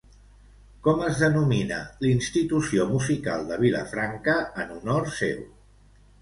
Com es denomina l'institució musical de Vilafranca en honor seu?